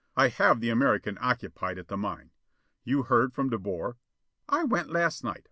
I have the American occupied at the mine. You heard from De Boer?" "I went last night.